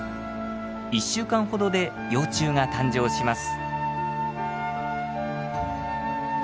１週間ほどで幼虫が誕生します。